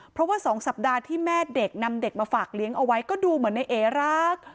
เพราะว่า๒สัปดาห์ที่แม่เด็กนำเด็กมาฝากเลี้ยงเอาไว้ก็ดูเหมือนในเอรัก